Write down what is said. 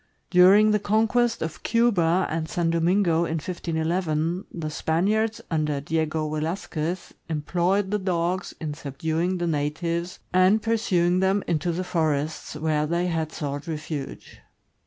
During the conquest of Cuba and San Domingo, in 1511, the Spaniards under Diego Velasquez employed the dogs in subduing the natives and pursuing them into the forests, where they had sought refuge.